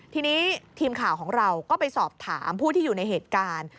ทีนี้ทีมข่าวของเราก็ไปสอบถามผู้ที่อยู่ในเหตุการณ์